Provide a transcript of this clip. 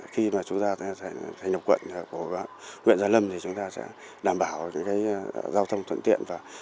khi chúng ta thành lập quận của huyện già lâm chúng ta sẽ đảm bảo giao thông thuận tiện